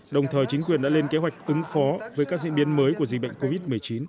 đồng thời chính quyền đã lên kế hoạch ứng phó với các diễn biến mới của dịch bệnh covid một mươi chín